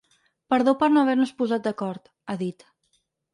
Perdó per no haver-nos posat d’acord, ha dit.